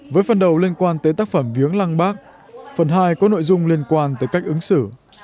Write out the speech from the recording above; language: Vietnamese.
với phần đầu liên quan tới tác phẩm viếng lăng bác phần hai có nội dung liên quan tới cách ứng xử